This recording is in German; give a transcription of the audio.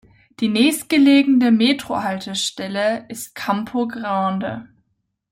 Die nächstgelegene Metro-Haltestelle ist Campo Grande.